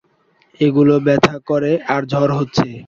এগুলো ব্যথা করে আর বড় হচ্ছে।